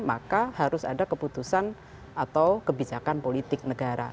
maka harus ada keputusan atau kebijakan politik negara